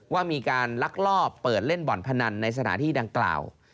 ว่ามีการลักลอบเปิดเล่นบ่อนพนันในสถานที่ดังกล่าว